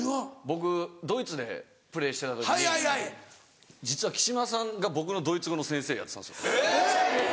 僕ドイツでプレーしてた時に実は木嶋さんが僕のドイツ語の先生やってたんです。